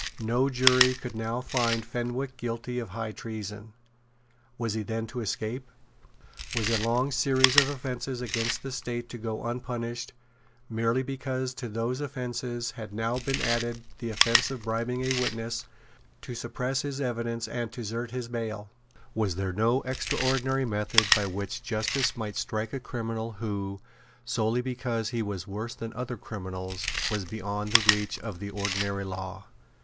No jury could now find Fenwick guilty of high treason. Was he then to escape? Was a long series of offences against the State to go unpunished merely because to those offences had now been added the offence of bribing a witness to suppress his evidence and to desert his bail? Was there no extraordinary method by which justice might strike a criminal who, solely because he was worse than other criminals, was beyond the reach of the ordinary law?